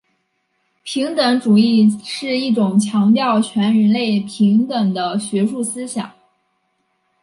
平等主义是一种强调全人类平等的学术思想。